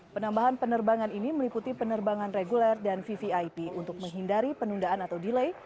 penambahan penerbangan ini meliputi penerbangan reguler dan vvip untuk menghindari penundaan atau delay